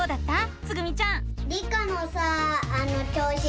つぐみちゃん。